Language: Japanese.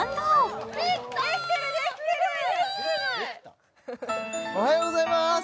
すごい！おはようございます！